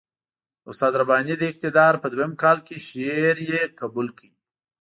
د استاد رباني د اقتدار په دویم کال کې شعر یې قبول کړ.